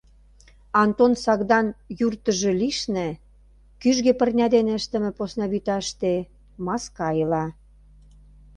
Антон Сагдан юртыжӧ лишне, кӱжгӧ пырня дене ыштыме посна вӱташте, маска ила.